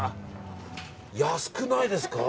安くないですか？